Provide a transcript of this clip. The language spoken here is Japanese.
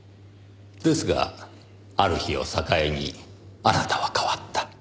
ですがある日を境にあなたは変わった。